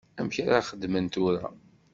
Amek ara xedmen tura?